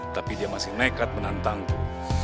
tapi dia masih nekat menantangku